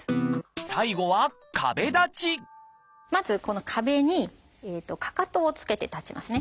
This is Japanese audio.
最後はまずこの壁にかかとをつけて立ちますね。